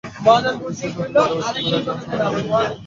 কিন্তু সে কথায় মন দেবার সময় নয়, জাহাজ চালাতে হবে।